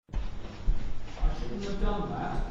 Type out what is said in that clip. I shouldn't have done that.